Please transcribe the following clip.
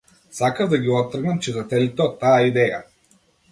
Сакаав да ги оттргнам читателите од таа идеја.